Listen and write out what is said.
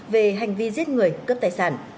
về hành vi giết người cướp tài sản